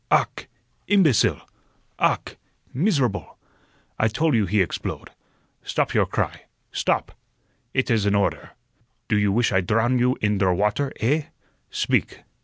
Ach, imbecile! Ach, miserable! I tol' you he eggsplode. Stop your cry. Stop! It is an order. Do you wish I drow you in der water, eh? Speak.